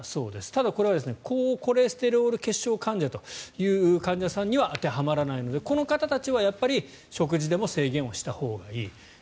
ただ、これは高コレステロール血症患者という患者さんには当てはまらないのでこの方たちは食事でも制限をしたほうがいい。